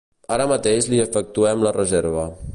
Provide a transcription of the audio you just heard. Ara mateix li efectuem la reserva.